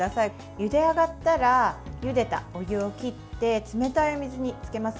ゆで上がったらゆでたお湯を切って冷たいお水に浸けます。